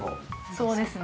そうですね。